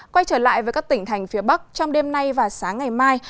quay trở lại với các tỉnh thành phía bắc trong đêm nay và sáng ngày mai